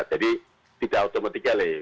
jadi tidak otomatis